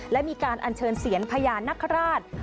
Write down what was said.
และมีการอัญเชิญเสียนพญานคราช